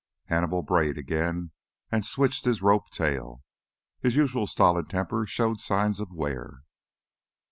Hannibal brayed again and switched his rope tail. His usual stolid temperament showed signs of wear.